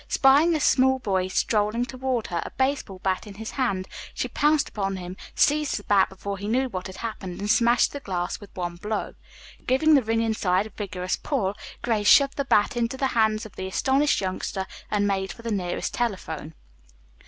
Spying a small boy strolling toward her, a baseball bat in his hand, she pounced upon him, seized the bat before he knew what had happened and smashed the glass with one blow. Giving the ring inside a vigorous pull, Grace shoved the bat into the hands of the astonished youngster and made for the nearest telephone.